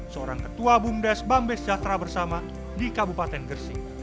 seorang ketua bumdes bambes jatra bersama di kabupaten gresik